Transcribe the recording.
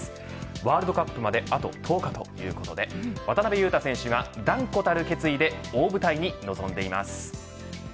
ワールドカップまであと１０日ということで渡邊雄太選手が断固たる決意で大舞台に臨んでいます。